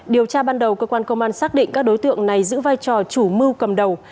điều tra ban đầu cơ quan công an xác định các đối tượng này giữ vai trò chủ mưu cầm đầu